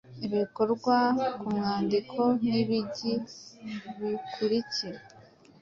Ibikorwa ku mwandiko nibigi bikurikira